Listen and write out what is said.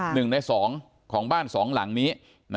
หนึ่งในสองของบ้านสองหลังนี้